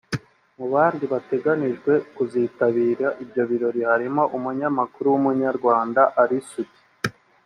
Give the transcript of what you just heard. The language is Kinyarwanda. Mu bandi bateganijwe kuzitabira ibyo birori harimo umunyamakuru w’Umunyarwanda Ally Soudy